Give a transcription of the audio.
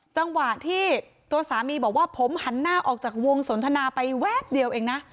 จังหวะที่ตัวสามีบอกว่าผมหันหน้าออกจากวงสนทนาไปแวบเดียวเองนะ